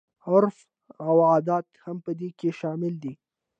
عرف او عادت هم په دې کې شامل دي.